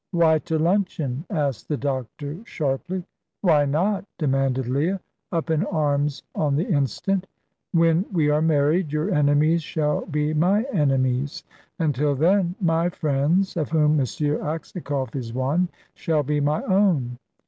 "Why to luncheon?" asked the doctor, sharply. "Why not?" demanded Leah, up in arms on the instant. "When we are married, your enemies shall be my enemies; until then, my friends of whom M. Aksakoff is one shall be my own."